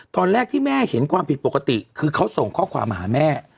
ตอนแรกที่แม่เห็นความผิดปกติคือเขาส่งข้อความมาหาแม่